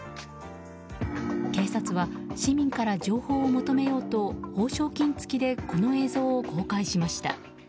警察は市民から情報を求めようと報奨金付きでこの映像を公開しました。